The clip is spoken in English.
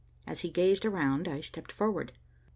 As he gazed around I stepped forward.